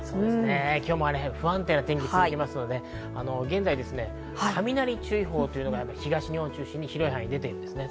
今日も不安定な天気が続きますので現在、雷注意報が東日本を中心に広い範囲に出ているんですね。